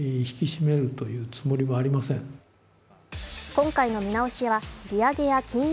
今回の見直しは利上げや金融